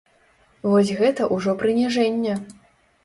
Вось гэта ўжо прыніжэнне.